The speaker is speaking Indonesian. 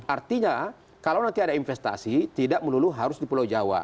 artinya kalau nanti ada investasi tidak melulu harus di pulau jawa